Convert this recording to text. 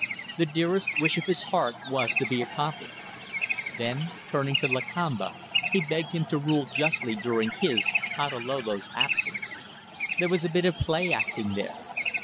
The dearest wish of his heart was to be accomplished. Then, turning to Lakamba, he begged him to rule justly during his Patalolo's absence There was a bit of play acting there.